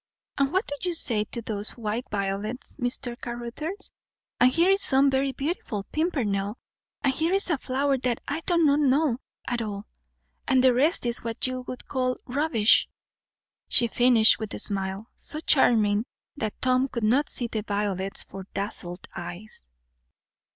And what do you say to those white violets, Mr. Caruthers? And here is some very beautiful pimpernel and here is a flower that I do not know at all, and the rest is what you would call rubbish," she finished with a smile, so charming that Tom could not see the violets for dazzled eyes.